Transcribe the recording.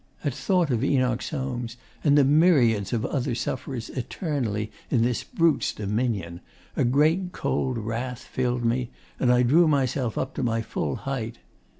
At thought of Enoch Soames and the myriads of other sufferers eternally in this brute's dominion, a great cold wrath filled me, and I drew myself up to my full height.